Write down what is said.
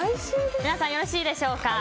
皆さん、よろしいでしょうか。